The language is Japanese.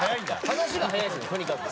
話が早いんですとにかく。